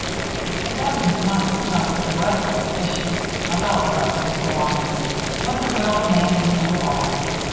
The Captain's money smelled dreadfully fishy, like all the rest of his belongings; but the good old man didn't know that.